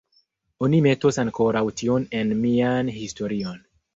Oni metos ankoraŭ tion en mian historion.